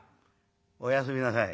「おやすみなさい」。